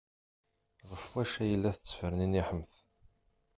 Ɣef wacu ay la tettferniniḥemt?